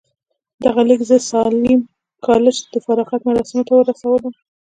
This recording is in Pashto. دغه ليک زه د ساليم کالج د فراغت مراسمو ته ورسولم.